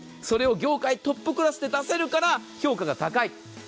それを業界トップクラスで出せるから評価が高い。